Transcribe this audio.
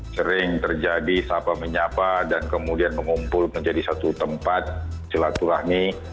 sering terjadi sapa menyapa dan kemudian mengumpul menjadi satu tempat silaturahmi